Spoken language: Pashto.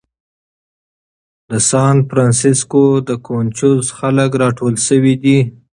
د سان فرانسیسکو دې کونچوز خلک راټول شوي دي.